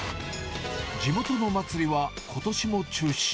地元の祭りはことしも中止。